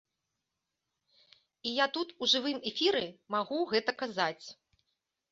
І я тут у жывым эфіры магу гэта казаць.